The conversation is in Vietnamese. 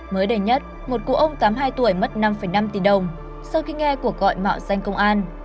mới đây nhất một cụ ông tám mươi hai tuổi mất năm năm tỷ đồng sau khi nghe cuộc gọi mạo danh công an